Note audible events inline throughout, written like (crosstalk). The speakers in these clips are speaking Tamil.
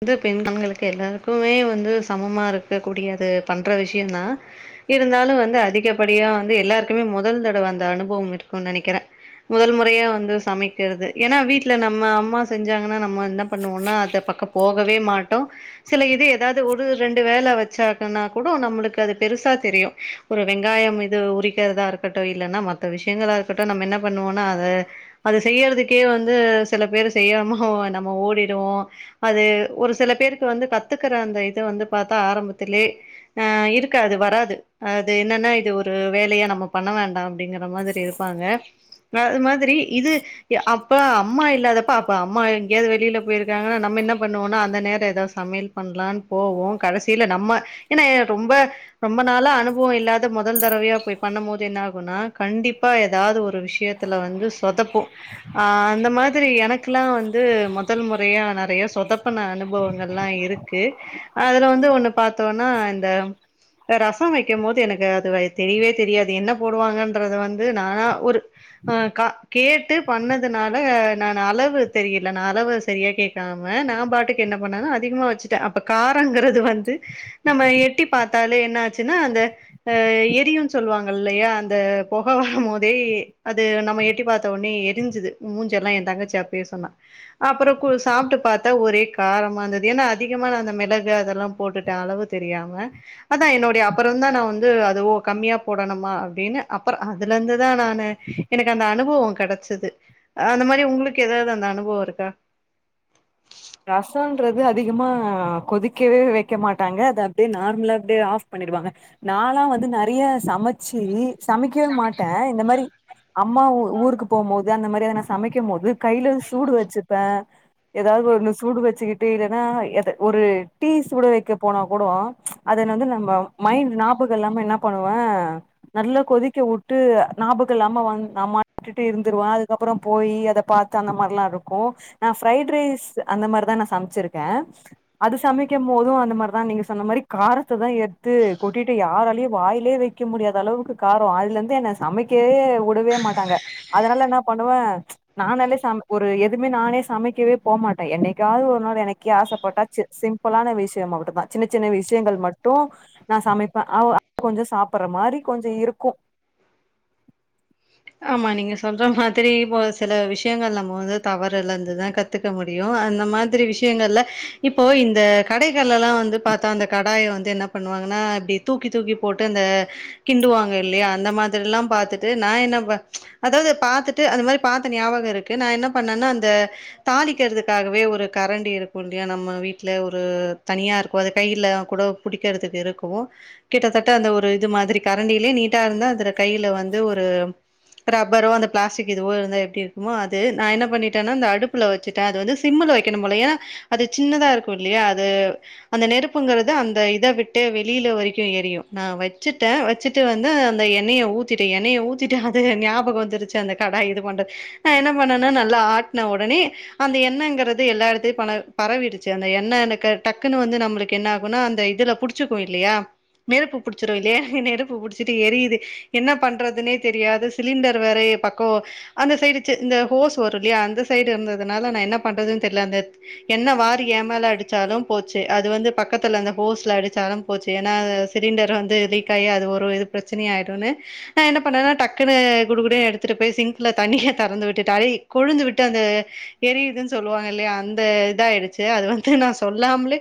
வந்து பெண் கண்களுக்கு எல்லாருக்குமே வந்து சமமா இருக்க கூடியது பண்ற விஷ்யம்தா இருந்தாலு வந்து அதிகப் பாடிய வந்து எல்லாருக்குமே முதல் தடவ அந்த அனுப் ஹோம் இருக்குனு நெனைக்கிற முதல் முறையா வந்து சமைக்கறது ஏனா வீட்ல நம்ம அம்மா செஞ்சாங்கன்னா நம்ம என்ன பண்ணுவோனா அத பக்கப் போகவே மாட்டோ சில இது ஏதாது ஒரு ரெண்டு வேல வச்சாக்கன்னா கூட நம்ளுக்கு அது பெருசா தெரியு ஒரு வெங்காயம் இத் து உரிக்றதா இருக்கட்டும் இல்லனா மத்த விஷ்யங்களா இருக்கட்டும் நம்ம என்ன பண்ணுவோனா அத அது செய்யறதுக்கே வந்து சில பேரு செய்யாம நம்ம ஓடிடுவோ அது ஒரு சில பேருக்கு வந்து கத்துக்கற அந்த இது வந்து பாத்தா ஆரம்பத் தில்லே ஆ இருக்காது வராது அது என்னன இது ஒரு வேலயா நம்ம பண்ண வேண்டாம் அப்டிங்ற மாரி இருப்பாங்க வ அது மாதிரி இது அப்ப அம்மா இல்லாதப்ப அப்ப அம்மா எங்கேயாது வெளில போயிருக்காங்கன்னா நம்ம என்னப் பண்ணோனா அந்த நேர எதோ சமேல் பண்லானு போவோ கடசில நம்ம ஏனா ரொம்ப ரொம்ப நாள அனுபவம் இல்லாத முதல் தடவையா போய் பண்ண போது என்னாகுனா கண்டிப்பா ஏதாவது ஒரு விஷ்யத்துல வந்து சொதப்பு ஆ அந்த மாதிரி எனக்குலா வந்து மொதல் மொறையா நறையஸ் சொதப்ன அனுபவங்கள்லா இருக்கு அதுல வந்து ஒன்னு பாத்தோனா இந்த ரசோ வைக்கும் போது எனக்கு அது வை தெரியவே தெரியாது என்ன போடுவாங்கன்றது வந்து நானா ஒரு அ கா கேட்டு பண்ணதுனால நானூ அளவு தெரியல நா அளவு செரியா கேக்கா மே நாம்பாட்டுக்கு என்ன பண்ணேன்னா அதிகமா வச்சுட்டே அப்ப கா ரங்கிறது வந்து நம்ம எட்டி பா த்தாலே என்ன ஆச்சுன்னா அந்த ஆ எரியுன்னு சொல்லுவாங்க இல்லயா அந்த பொக வரும் போதே அது நம்ம எட்டி பாத்த உடனே எரிஞ்சுது மூஞ்செல்லா என் தங்கச்சி அப்பயே சொன்னா அப்புற கு சாப்ட்டு பாத்தா ஒரே காரமா இருந்தது. ஏன்னா அதிகமா நா அந்த மெளகு அதெல்லா போட்டுட்டே அளவு தெரியாம. அதான் என்னுடைய அப்புறம்தா நா வந்து அது ஓ கம்மியா போடணுமா அப்டின்னு அப்புற அதுல இருந்துதா நானு எனக்கு அந்த அனுபவோ கெடைச்சது. அந்த மாரி உங்களுக்கு எதாவது அந்த அனுபவோ இருக்கா? ரசோன்றது அதிகமா கொதிக்கவே வைக்க மாட்டாங்க. அத அப்டியே நார்மலா அப்டியே ஆஃப் பண்ணிடுவாங்க நால்லா வந்து நெறைய சமைச்சு சமைக்கவே மாட்டேன் இந்த மாரி அம்மா ஊ ஊருக்கு போகும் போது அந்த மாரி எதுனா சமைக்கும் போது கைல சூடு வச்சுப்பே எதாவது ஒண்ணு சூடு வச்சுக்கிட்டு இல்லைன்னா எத ஒரு டீ சுட வைக்க போனா கூடோ அதுல வந்து நம்ம மைண்ட் ஞாபகோ இல்லாம என்னா பண்ணுவே நல்லா கொதிக்க வுட்டு ஞாபகோ இல்லாம வந் நா (inaudible) ட்டுட்டு இருந்துருவோ அதுக்கப்புறோ போய் அத பாத்து அந்த மாரிலா இருக்கு நா ஃப்ரைட் ரைஸ் அந்த மாரிதா நா சமைச்சிருக்கே. அது சமைக்கும் போது அந்த மாரிதா நீங்க சொன்ன மாரி காரத்ததா எடுத்து கொட்டிட்டு யாராலயு வாயிலயே வைக்க முடியாத அளவுக்கு காரோ. அதுல இருந்து என்ன சமைக்கவே உடவே மாட்டாங்க. அதனால என்னா பண்ணுவே நானாலே சமை ஒரு எதுமே நானே சமைக்கவே போமாட் டே என்னைக்காவது ஒரு நாள் எனக்கே ஆசப்பட்டா சி சிம்பிளான விஷயமா மட்டுந்தா. சின்ன சின்ன விஷயங்கள் மட்டும் நா சமைப்பே. அவ (inaudible) கொஞ்சோ சாப்படுற மாரி கொஞ்சோ இருக்கு. ஆமா நீங்க சொல்ற மாதிரி இப்போ சில விஷயங்கள் நம்ம வந்து தவறலருந்துதா கத்துக்க முடியு. அந்த மாதிரி விஷயங்கள்ல இப்போ இந்த கடைகள்லலா வந்து பாத்தா அந்த கடாய வந்து என்ன பண்ணுவாங்கன்னா இப்டி தூக்கி தூக்கி போட்டு அந்த கிண்டுவாங்க இல்லையா அந்த மாதிரிலா பாத்துட்டு நா என்ன வ அதாவது பாத்துட்டு அது மாரி பாத்த ஞாபகோ இருக்கு நா என்ன பண்ணேன்னா அந்த தாளிக்கிறதுக்காகவே ஒரு கரண்டி இருக்கு இல்லையா நம்ம வீட்ல ஒரு தனியா இருக்கு அது கையில கூட புடிக்கிறதுக்கு இருக்கு கிட்டத்தட்ட அந்த ஒரு இது மாதிரி கரண்டியிலயே நீட்டா இருந்தா அதுல கைல வந்து ஒரு ரப்பரோ அந்த பிளாஸ்டிக் இதுவோ இருந்தா எப்டி இருக்குமோ அது நா என்ன பண்ணிட்டேன்னா அந்த அடுப்புல வச்சுட்டே அது வந்து சிம்முல வைக்கணும் போல ஏன்னா அது சின்னதா இருக்கு இல்லையா அது அந்த நெருப்புங்கறது அந்த இத விட்டு வெளியில வரைக்கு எரியு நா வச்சுட்டே வச்சிட்டு வந்து அந்த எண்ணெய ஊத்திட்டு எண்ணெய ஊத்தி ட்டு அது ஞாபகோ வந்துருச்சு அந்த கடாய் இது பண்றது நா என்ன பண்ணனா நல்லா ஆட்ன உடனே அந்த எண்ணைங்கிறது எல்லா எடத்திலயு பன பரவிடுச்சு. அந்த எண்ண இருக்கே டக்குன்னு வந்து நம்மளுக்கு என்ன ஆகுனா அந்த இதுல புடிச்சுக்கு இல்லையா நெருப்பு புடிச்சிரு இல்லையா நெருப்பு புடிச்சிட்டு எரியுது என்ன பண்றதுனே தெரியாது சிலிண்டர் வேற பக்கோ அந்த சைடு செ இந்த ஹோஸ் வரு இல்லையா அந்த சைடு இருந்த அதனால நா என்ன பண்றதுன்னு தெர்ல அந்த எண்ண வாரி ஏன் மேல அடிச்சாலு போச்சு அது வந்து பக்கத்துல அந்த ஹோஸ்ல அடிச்சாலு போச்சு ஏன்னா சிலிண்டர் வந்து லீக் ஆயி அது ஒரு இது பிரச்சனையாயிருன்னு நா என்ன பண்ணனா டக்குனு குடுகுடுனு எடுத்துட்டு போய் சிங்க்ல தண்ணிய தொறந்து விட்டுட்டு அது கொழுந்து விட்டு அந்த எரியுதுன்னு சொல்லுவாங்க இல்லையா அந்த இதா ஆயிடுச்சு. அது வந்து நா சொல்லாமலே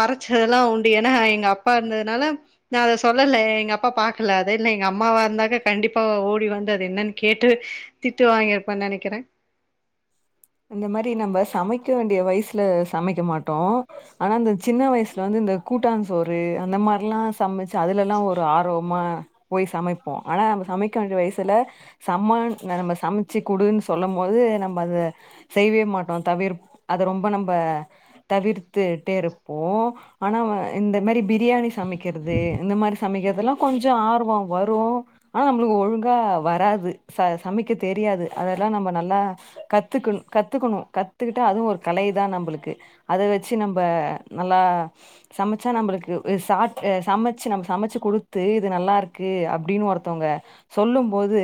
மறைச்சதெல்லா உண்டு ஏன்னா எங்க அப்பா இருந்ததுனால நா அத சொல்லல எங்க அப்பா பாக்கல அது இல்ல எங்க அம்மாவா இருந்தாக்க கண்டிப்பா ஓடி வந்து அது என்னனு கேட்டு திட்டு வாங்கிருப்பன்னு நெனைக்கிறே மைக்க வேண்டிய வயசுல சமைக்க மாட்டோ ஆனா அந்த சின்ன வயசுல வந்து இந்த கூட்டாஞ்சோறு அந்த மாரிலா சமச்சு அதுலலா ஒரு ஆர்வமா போய் சமைப்போ ஆனா நம்ம சமைக்க வேண்டிய வயசுல சம நம்ம சமைச்சு குடுன்னு சொல்லம் போது நம்ம அத செய்யவே மாட்டோ தவிர் அத ரொம்ப நம்ப தவிர்த்துட்டே இருப்போ ஆனா வ இந்த மாரி பிரியாணி சமைக் கிறது இந்த மாரி சமைக்கிறதுலா கொஞ்சோ ஆர்வோ வரு ஆனா நம்மளுக்கு ஒழுங்கா வராது ச சமைக்க தெரியாது அதெல்லா நம்ம நல்லா கத்துக்கணு கத்துக்கணு கத்துக்கிட்டா அதுவு ஒரு கலைதா நம்பளுக்கு அத வச்சு நம்ப நல்லா சமைச்சா நம்பளுக்கு இது சாட் ஆ சமைச்சு நம்ம சமைச்சு குடுத்து இது நல்லா இருக்கு அப்டின்னு ஒருத்தவங்க சொல்லும்போது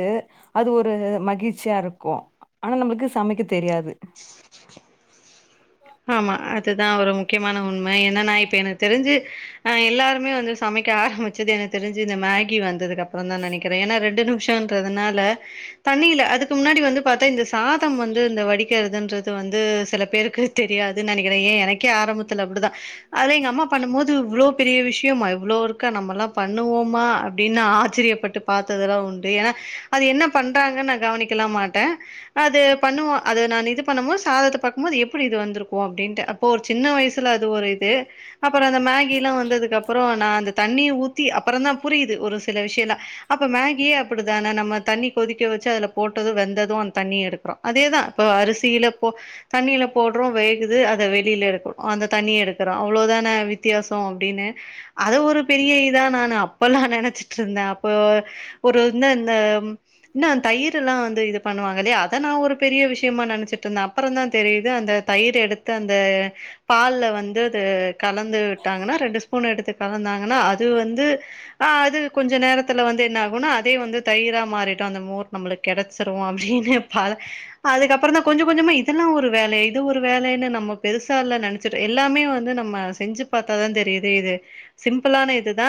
அது ஒரு மகிழ்ச்சியா இருக்கு ஆனா நம்மளுக்கு சமைக்க தெரியாது ஆமா அதுதா ஒரு முக்கியமான உண்மை. ஏன்னா நா இப்ப எனக்கு தெரிஞ்சு அ எல்லாருமே வந்து சமைக்க ஆரம்பிச்சது எனக்கு தெரிஞ்சு இந்த மேகி வந்ததுக்கு அப்புறம்தான்னு நெனைக்கிறே ஏன்னா ரெண்டு நிமிஷம்ன்றதுனால தண்ணில அதுக்கு முன்னாடி வந்து பாத்தா இந்த சாதம் வந்து இந்த வடி க்கிறதுன்றது வந்து சில பேருக்கு தெரியாதுன்னு நெனைக்கிறே ஏன் எனக்கே ஆரம்பத்துல அப்பிடிதா அது எங்க அம்மா பண்ணும் போது து இவ்ளோ பெரிய விஷ்யமா இவ்ளோ இருக்கா நம்மல்லா பண்ணுவோமா அப்டின்னு ஆச்சரியப்பட்டு பாத்ததெல்லா உண்டு ஏன்னா அது என்ன பண்றாங்கன்னு நா கவனிக்கலா மாட்டே அது பண்ணுவோ அது நா இது பண்ணும் போது சாதத்த பாக்கும்போது எப் பிடி இது வந்திருக்கு அப்டின்ட்டு அப்போ ஒரு சின்ன வயசுல அது ஒரு இது அப்புறோ அந்த மேகி எல்லா வந்ததுக்கு அப்புறோ நா அந்த தண்ணிய ஊத்தி அப்புறம்தா புரியுது ஒரு சில விஷயல்லா. அப்ப மேகியே அப்பிடிதான நம்ம தண்ணி கொதிக்க வச்சு அதுல போட்டது வெந்தது அந்த தண்ணிய எடுக்குறோ. அதேதா இப்ப அரிசியில போ தண்ணில போட்றோ வேகுது அத வெளில எடுக்குறோ அந்த தண்ணிய எடுக்குறோ அவ்ளோதான வி த்தியாசோ அப்டின்னு அது ஒரு பெரிய இதா நானு அப்பல்லா நெனைச்சிட்ருந்தே. அப்போ ஒரு இந்த இந்த இன்னு அந்த தயிர் எல்லா வந்து இது பண்ணுவாங்க இல்லையா அத நா ஒரு பெரிய விஷயமா நெனைச்சிட்டுருந்தே அப்புறந்தா தெரி இது அந்த தயிர் எடுத்து அந்த பால்ல வந்து அது கலந்துட்டாங்கனா ரெண்டு ஸ்பூன் எடுத்து கலந்தாங்கனா அது வந்து அது கொஞ்ச நேரத்துல வந்து என்ன ஆகுன்னா அதே வந்து தயிரா மாறிடு அந்த மோர் நம்மளுக் கெடைச்சிரு அப்டின்னு அதுக்கப்புறந்தா கொஞ்சகொஞ்சமா இதெல்லா ஒரு வேல இது ஒரு வேலன்னு நம்ம பெருசால்ல நெனச்சுட்டு எல்லாமே வந்து நம்ம செஞ்சு பாத்தாதா தெரியுது இது சிம்பிளான இதுதா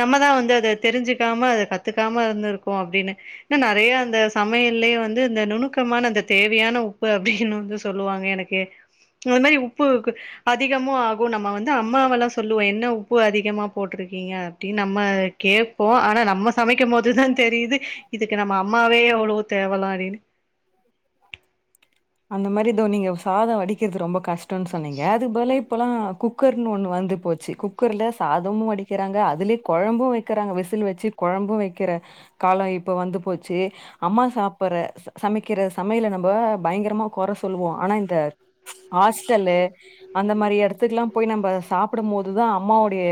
நம்மதா வந்து அத தெரிஞ்சுக்காம அத கத்துக்காம இருந்துருக்கோ அப்டின்னு ஏன்னா நெறய அந்த சமையல்லே வந்து இந்த நுணுக்கமான அந்த தேவயான உப்பு அப்டின்னு வந்து சொல்லுவாங்க எனக்கு அது மாரி உப்புக்கு அதிகமு ஆகு நம்ம வந்து அம்மாவெல்லா சொல்லுவோ என்ன உப்பு அதிகமா போட்ருக்கீங்க அப்டினு நம்ம கேப்போ ஆனா நம்ம சமைக்கும் போதுதா தெரியுது இதுக்கு நம்ம அம்மாவே எவ்வளோ தேவலா அப்டின்டு அந்த மாரி இதோ நீங்க சாதோ வடிக்குறது ரொம்ப கஷ் ன்ட்டுனு சொன்னீங்க அதுக்கு பதுல இப்பலா குக்கர்னு ஒன்னு வந்து போச்சி குக்கர்ல சாதமும் வடிக்குறாங்க அதுலே கொழம்பு வெக்குறாங்க விசில் வச்சு கொழம்பு வெக்குற காலோ இப்பே வந்து போச்சி அம்மா சாப்புற சா சமைக்கிற சமையல நம்ம பயங்கரமா கொற சொல்லுவோ ஆனா இந்த ஹாஸ்டலு அந்த மாரி எடத்துக்குலா போய் நம்ம சாப்பிடு போதுதா அம்மாவோடைய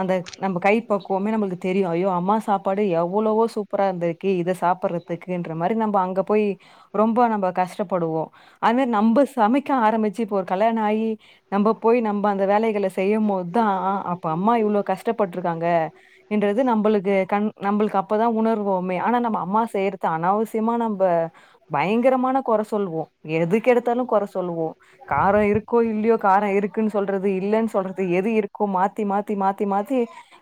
அந்த நம்ம கை பக்குவமே நம்மளுக்கு தெரியு ஐயோ அம்மா சாப்பாடு எவ்வளவோ சூப்பரா இருந்திருக் ஹேய் இத சாப்புடறதுக்கென்ற மாரி நம்ப அங்கப் போய் ரொம்ப நம்ப கஷ்டபடுவோ அது நம்ப சமைக்க ஆரமிச்சி இப்போ ஒரு கல்யாண ஆயி நம்ம போய் நம்ம அந்த வேலகள செய்யும்போதுதா அப்ப அம்மா இவ்ளோ கஷ்டபட்ருக்காங்க என்றது நம்பளுக்கு கண் நம்பளுக்கு அப்பதா உணர்வோமே ஆனா நம்ம அம்மா செய்யுறது அனாவசியமா நம் இப்ப பயங்கரமான கொற சொல்லுவோ எதுக்கு எடுதாலு கொற சொல்லுவோ காரோ இருக்கோ இல்லையோ கார இருக்குனு சொல்றது இல்லனு சொல்றது எது இருக்கோ மாத்தி மாத்தி மாத்தி மாத்தி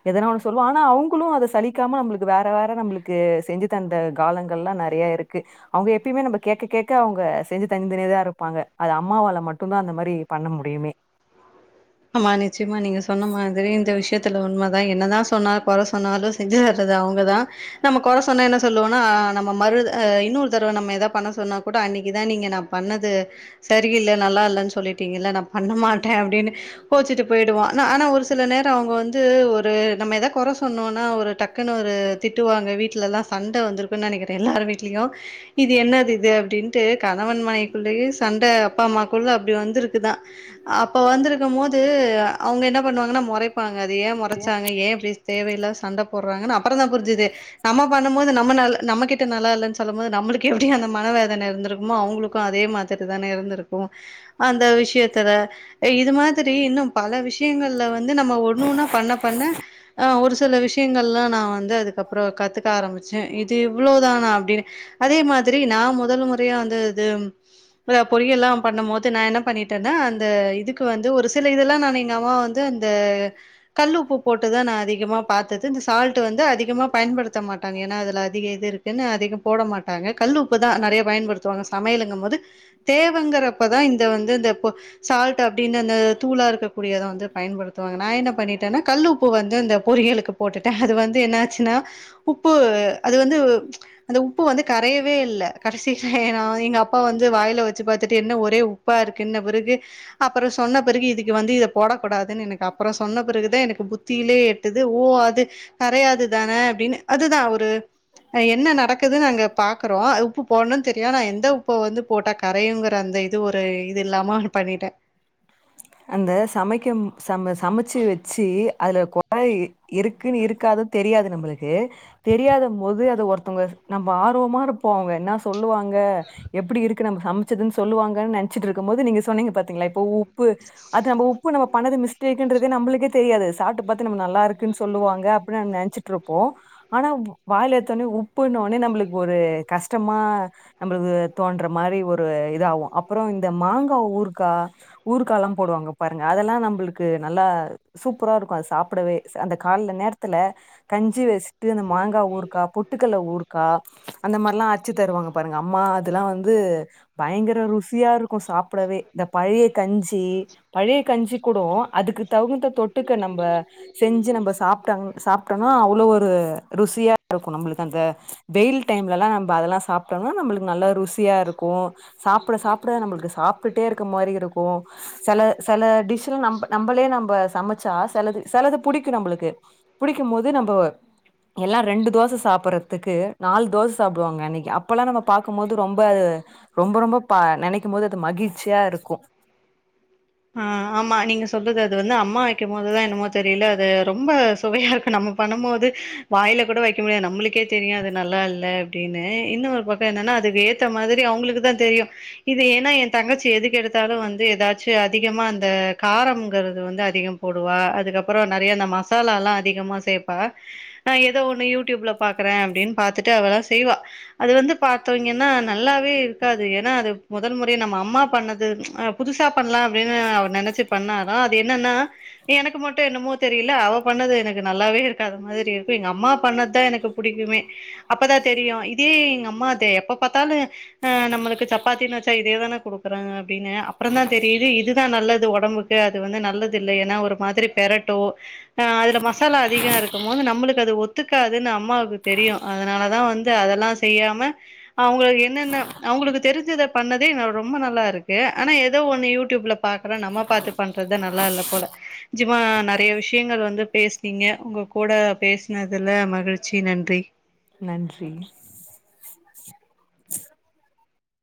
எதனா ஒன்னு சொல்லுவோ ஆனா அவுங்களு அத சலிக்காம நம்மளுக்கு வேற வேற நம்மளுக்கு செஞ்சு தந்த காலங்கள்லா நெறய இருக்கு க்கு அவுங்க எப்பயுமே நம்ம கேக்க கேக்க அவுங்க செஞ்சு தந்துனேதா இருப்பாங்க அது அம்மாவால மட்டுதா அந்த மாரி பண்ண முடியுமே ஆமா நிச்சயமா நீங்க சொன்ன மாதிரி இந்த விஷயத்ல உண்மதா என்னதா சொன்னா கொற சொன்னாலு செஞ்சு தர்றது அவுங்கதா நம்ம கொற சொன்னா என்ன சொல்லுவோனா நம்ம மறுத இன்னொரு தடவ நம்ம ஏதாவ பண்ண சொன்னா கூட அன்னைக்குதா நீங்க நா பண்ணது சரியில்ல நல்லாயில்லனு சொல்லிட்டீங்கல நா பண்ண மாட்டே அப்டின்னு கோச்சிட்டு போயிடுவோ ஆனா ஒரு சில நேரோ அவுங்க வந்து ஒரு நம்ம எதா கொற சொன்னோனா ஒரு டக்குன்னு ஒரு திட்டுவாங்க வீட்டுலலா சண்ட வந்திருக்குனு நனக்குறே எல்லாரு வீட்லயு இது என்னது இது அப்டின்ட்டு கணவன் மனைவிக்குள்ளேயே சண்ட அப்பா அம்மாக்குள்ள அப்டி வந்திருக்குதா அப்ப வந்திரு இருக்கும்போது அவுங்க என்ன பண்ணுவாங்கனா மொறைப்பாங் அத ஏன் முறச்சாங்க ஏ இப்டி தேவையில்லா சண்ட போ றாங்கனு அப்பறதா புரி்ஞ்சுது நம்ம பண்ணும் போது நம்ம ந நம்ம கிட்ட நல்லா இல்லனு சொல்லும் போது நம்மளுகு எப்டி அந்த மன வேதன இருந்திருக்குமோ அவுங்களுக்கும் அதே மாரிதான இருந்திருக்கும் அந்த விஷயத்துல இது மாதிரி இன்னும் பல விஷயங்கள்ல வந்து நம்ம ஒன்னு ஒன்னா பண்ண பண்ண ஆ ஒரு சில விஷயங்கள்லா நா வந் வந்து அதுக்கப்றோ கத்துக்க ஆரம்பிச்சே இது இவ்ளோதானா அப்டின்னு அதே மாதிரி நா முதல் முறையா வந்து இது பொரியெல்லா பண்ணும் போது நா என்ன பண்ணிட்டேனா அந்த இதுக்கு வந்து ஒரு இதல்லா நானு எங்க அம்மா வந்து இந்த கல்லுப்பு போட்டுதா நா அதிகமா பாத்தது இந்த சால்டு வந்து அதிகமா பயன்படுத்த மாட்டாங்க ஏனா அதுல அதிக இது இருக்குன்னு அதிக போட மாட்டாங்க கல்லு உப்பு தா நெறய பயன்படுத்துவாங்க சமயலுங்கு போது தேவங்கற இப்பதா இந்த வந்து இந்த சால்ட் அப்டின்னு னு தூளா இருக்ககூடியத வந்து பயன்படுத்துவாங்க ந என்ன பண்ணிட்டேன கல்லுப்பு வந்து இந்த பொரிலக்கு போட்டுட்டே அது வந்து என்ன க்சுனா உப்பு அது வந்து அந்த உப்பு வந்து கரயவே இல்ல கடைசில எங்க அப்பா வந்து வாய்ல வச்சு பாத்துட்டு என்ன ஒரே உப்பா இருக்குனு பிறகு அப்பற சொன்ன இதுக்கு வந்து இத போடக்கூடாது எனக்கு அப்பற சொன்ன பிறகுதா எனக்கு புத்தியிலே எட்டுது ஓ அது கரையாது தான அப்டினு அதுதா ஒரு ஹ என்ன நடக்குதுனு அங்க பாக்குறோ உப்பு போடணு தெரியு ஆனா எந்த உப்ப வந்து போட்டா கரயுங்கற அந்த இது ஒரு இது இல்லாம பண்ணிட்டே அந்த சமைக்கும் நம்ம சமச்சு வச்சு அதுல குறை இருக்குன் இருக்காது தெரியாது நம்பளுக்கு தெரியாதம்போது அது ஒருத்தங்க நம்ப ஆர்வமா இருப்போ அவுங்க என்ன சொல்லுவாங் ங்க எப்டி இருக்கு நம்ப சம் ச்சது சொல்லுவாங்கு நெனச்ட்டு இருக்கு போது நீங்க சொன்னீங்க பாத்தீங்களா இப்போ உ அது நம்ப உப்பு நம்ம பண்ணது மிஸ் டேக்குன்ட்ரதே நம்புளுக்கே தெரியாது சாப்டு பாத்து நம்ம நல்லாருக்கு சொல்லுவாங்க அப்டினு நம்ம நெனச்சுட்டு இருப்போ ஆனாவ் வாய்ல எத்தோனே உப் ப்புனோன நம்புளுக்கு ஒரு கஷ்டமா நம்ளுக்கு தோன்ற மாரி ஒரு இதாவு அப்பறோ இந்த மாங்கா ஊருகா ஊருக்காலா போடுவாங்க பாருங்க அதல்லா நம்புளுக்கு நல்லா சூப்பரா இருக்கு சாப்டவே அந்த கால்ல நேரத்துல கஞ் சி வச்ட்டு அந்த மாங்காஊருக்கா பொட்டுக்கல்ல ஊருக்கா அந்த மார்லா அச்சு தருவாங்க பாருங்க அம்மா அதுல்லா வந்து பயங்கர ருசியா இருக்கு சாப்டவே இந்த பழய கஞ்சி பழய கஞ்சி கூட அதுக்கு தவுந்த தொட்டுக்க நம்ப செஞ்சு நம்ப சாப்ட சாப்டோன அவ்ளோ ஒரு ருசியா இருக்கு நம்பளுக்கு அந்த வெயில் டைம்லல்லா நம்ப அதல்லா சாப்டோனா நம்புளுக்கு நல்லா ருசியா இருக்கு சாப்ட சாப்ட நம்புளுக்கு சாப்டுட்டே இருக்க மாரி இருக்கு செல செல டிஷ்ல நம்ப நம்பளே நம்ப சமச்சா செலது செலது புடிக்கு நம்புளுக்கு புடிக்குமோது நம்ப எல்லா ரெண்டு தோச சாப்புற்றதுக்கு நாலு தோச சாப்டுவாங்க அன்னிக்கு அப்பல்லா நம்ப பாக்குமோது ரொம்ப ரொம்ப ரொம்ப பா நெனக்குமோது அது மகிழ்ச்சியாஇருக்கு ஆ ஆமா நீங்க சொல்ரது அது வந்து அம்மா வைக்கு போதுதா என்னமோ தெரியல அது ரொம்ப சுவையா இருக்கு நம்ப பண்ணுபோது வாய்ல கூட வைக்க முடியாது நம்ளுக்கே தெரியு அது நல்லா இல்ல அப்டினு இன்னொரு பக்க என்னன்னா அதுவேத்த மாதிரி அவுங்களுக்கு தா தெரியு இது ஏனா எ தங்கச்சி எதுக்கு எடுத்தாலு வந்து ஏதாச் அதிகமா இந்த காரம்ங்கறது வந்து அதிகம் போடுவா அதுக்கப்பறோ நறயா மசாலால்லா அதிகமா சேப்பா ஏதோ ஒன்னு யூடியூப்ல பாக்குறே அப்டின் பாத்துட்டு அவளா செய்வா அது வந்து பாத்துங்கன்னா நல்லாவே இருக்காது ஏனா அது முதல் முறை நம்ப அம்மா பண்ணது புதுசா பண்லா அப்டினு அவ நெனச்சு பண்ணானா அது என்னன்னா எனக்கு மட்டு என்னமோ தெரில அவ பண்ணது எனக்கு நல்லாவே இருக்காத மாதிரி இருக்கு எங்க அம்மா பண்ணத்தா எனக்கு புடிக்குமே அப்பதா தெரியு இதே அம்மாதே எப்ப பாத்தாலு நம்மளுக்கு சப்பாத்தினு வச்சா இதேதான குடுக்குறங்க அப்டினு அப்பறந்தா தெரியுது இதுதா நல்லது ஒடம்புக்கு அது வந்து நல்லது இல்ல ஏனா ஒரு மாதிரி பெரட்டு ஆ அதுல மசாலா அதிக இருக்குமோது நம்மளுக்கு அது ஒத்துக்காதுனு அம்மாவுக்கு தெரியு அதனாலதா வந்து அதல்லா செய்யாம அவுங்களு என்னென்ன அவங்களுக்கு தெரிஞ்சத பண்ணதே ரொம்ப நல்லா இருக்கு ஆனா தோ ஒன்னு யூடியூப்ல பாக்குற நம்ப பாத்து பண்றதா நல்லா இல்ல போல ஜிமா நறயா விஷ்யங்கள் வந்து பேஸ்னீங்க உங்க கூட பேசினதுல மகிழ் நன்றி (inaudible)